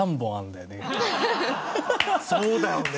そうだよね。